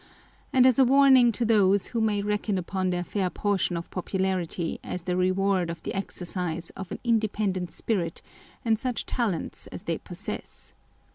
â€" and as a warning to those who may reckon upon their fair portion of popularity as the reward of the exercise of an independent spirit and such talents as they possess.